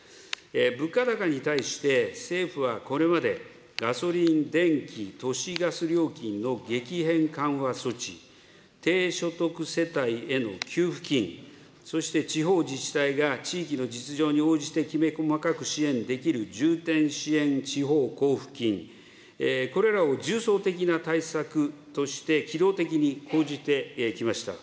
物価高に対して政府はこれまで、ガソリン、電気、都市ガス料金の激変緩和措置、低所得世帯への給付金、そして地方自治体が地域の実情に応じてきめ細かく支援できる重点支援地方交付金、これらを重層的な対策として機動的に講じてきました。